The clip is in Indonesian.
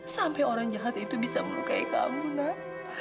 sampai orang jahat itu bisa melukai kamu nak